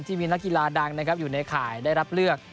ที่มีนักกีฬาดังนะครับอยู่ในข่ายได้รับเลือก